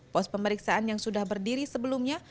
pos pemeriksaan yang sudah berdiri sebelumnya